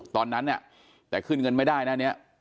ตอนนั้นเนี่ยแต่ขึ้นเงินไม่ได้นะเนี่ย